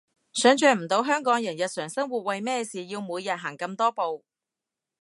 想像唔到香港人日常生活為咩事要每日行咁多步